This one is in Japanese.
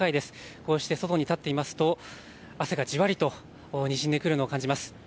こうして外に立っていますと汗がじわりとにじんでくるのを感じます。